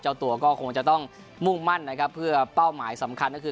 เจ้าตัวก็คงจะต้องมุ่งมั่นนะครับเพื่อเป้าหมายสำคัญก็คือ